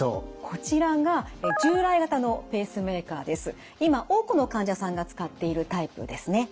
こちらが今多くの患者さんが使っているタイプですね。